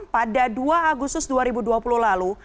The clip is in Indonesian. pada dua agustus dua ribu dua puluh lalu